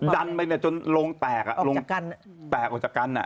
ดันไปจนลงแตกอ่ะแตกออกจากกัน